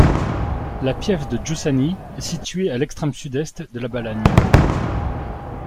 La piève de Giussani est située à l'extrême sud-est de la Balagne.